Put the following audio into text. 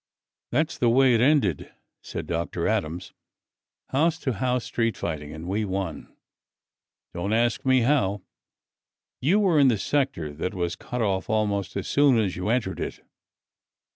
"That's the way it ended," said Dr. Adams. "House to house street fighting, and we won. Don't ask me how. You were in a sector that was cut off almost as soon as you entered it.